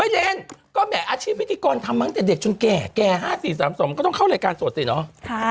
เดนก็แหมอาชีพพิธีกรทำมาตั้งแต่เด็กจนแก่แก่๕๔๓๒ก็ต้องเข้ารายการสดสิเนาะ